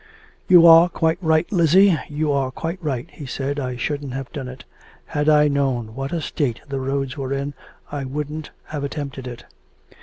'You are quite right, Lizzie, you are quite right,' he said; 'I shouldn't have done it. Had I known what a state the roads were in, I wouldn't have attempted it.'